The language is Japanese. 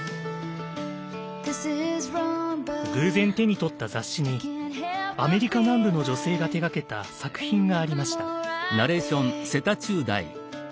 偶然手に取った雑誌にアメリカ南部の女性が手がけた作品がありました。